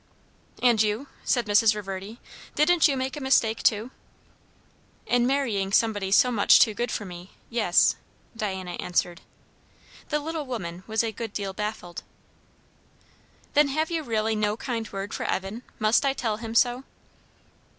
"And you?" said Mrs. Reverdy. "Didn't you make a mistake too?" "In marrying somebody so much too good for me yes," Diana answered. The little woman was a good deal baffled. "Then have you really no kind word for Evan? must I tell him so?"